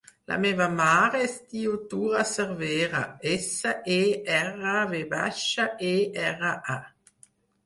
La meva mare es diu Tura Servera: essa, e, erra, ve baixa, e, erra, a.